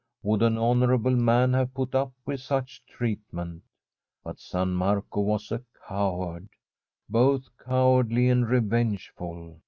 Would an honourable man have put up with such treatment ? But San Marco was a coward — both cowardly and revengeful.